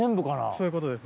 そういうことです。